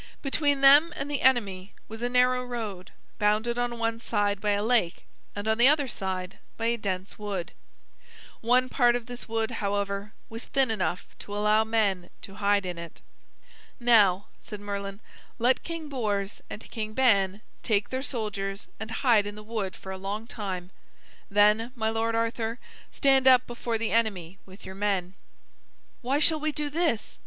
Between them and the enemy was a narrow road, bounded on one side by a lake, and on the other side by a dense wood. One part of this wood, however, was thin enough to allow men to hide in it. "Now," said Merlin, "let King Bors and King Ban take their soldiers and hide in the wood for a long time. Then, my lord Arthur, stand up before the enemy with your men." "Why shall we do this?"